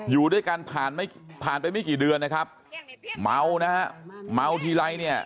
อยู่ด้วยกันผ่านไม่ผ่านไปไม่กี่เดือนนะครับเมานะฮะเมาทีไรเนี่ย